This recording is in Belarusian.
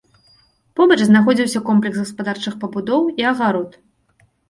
Побач знаходзіўся комплекс гаспадарчых пабудоў і агарод.